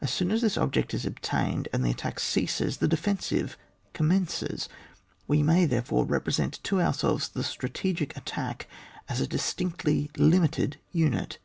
As soon as this ob ject is attained, and the attack ceases, the defensive commences. We may, there fore, represent to ourselves the strategic attax;k as a distinctly limited unit.